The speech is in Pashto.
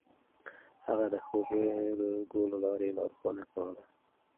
هغه د ښو بېلګو له لارې لارښوونه کوله.